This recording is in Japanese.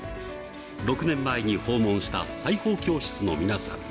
６年前に訪問した裁縫教室の皆さん。